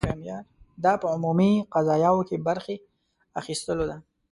دا په عمومي قضایاوو کې برخې اخیستلو ده.